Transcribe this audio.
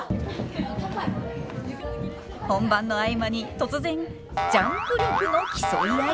本番の合間に突然ジャンプ力の競い合い！？